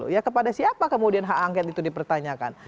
ya kepada siapa kemudian hak angket itu dipertanyakan